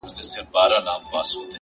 نظم د ګډوډ ژوند تارونه سره تړي